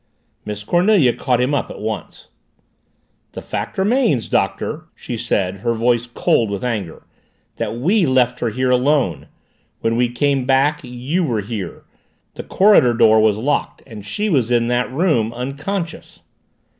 Miss Cornelia caught him up at once. "The fact remains, Doctor," she said, her voice cold with anger, "that we left her here alone. When we came back you were here. The corridor door was locked, and she was in that room unconscious!"